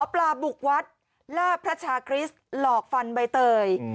ปลาบุกวัดล่าพระชาคริสต์หลอกฟันใบเตย